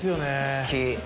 好き。